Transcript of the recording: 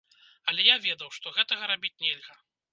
Але я ведаў, што гэтага рабіць нельга.